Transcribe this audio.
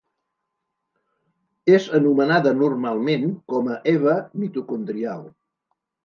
És anomenada normalment com a Eva mitocondrial.